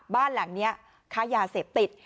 บ้านหลังนี้ค้ายาเสพติด